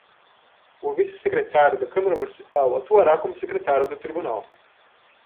O vice-secretário da Câmara Municipal atuará como secretário do Tribunal.